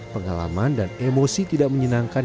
pengalaman dan emosi tidak menyenangkan